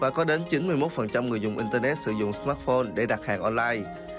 có đến chín mươi một người dùng internet sử dụng smartphone để đặt hàng online